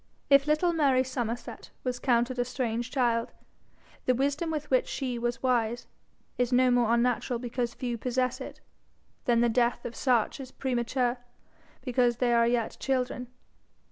If little Mary Somerset was counted a strange child, the wisdom with which she was wise is no more unnatural because few possess it, than the death of such is premature because they are yet children.